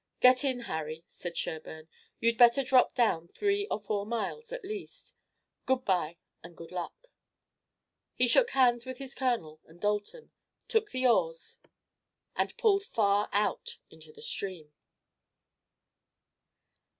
"Get in, Harry," said Sherburne. "You'd better drop down three or four miles, at least. Good by and good luck." He shook hands with his colonel and Dalton, took the oars and pulled far out into the stream.